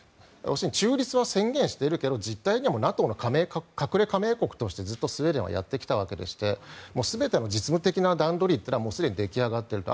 中立を宣言しているけど実態にはＮＡＴＯの隠れ加盟国としてずっとスウェーデンはやってきたわけで全ての実務的な段取りは出来上がってると。